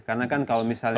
karena kan kalau misalnya